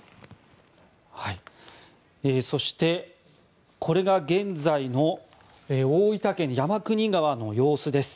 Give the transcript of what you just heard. そして、これが現在の大分県・山国川の様子です。